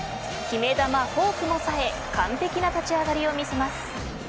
決め球、フォークもさえ完璧な立ち上がりを見せます。